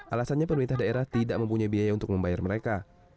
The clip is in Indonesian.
alasannya pemerintah daerah tidak mempunyai biaya untuk membayar mereka